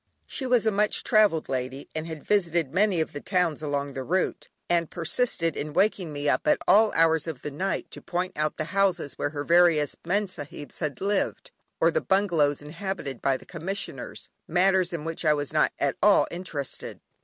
She was a much travelled lady and had visited many of the towns along the route, and persisted in waking me up at all odd hours of the night, to point out the houses where her various Mem Sahibs had lived, or the bungalows inhabited by the commissioners, matters in which I was not at all interested.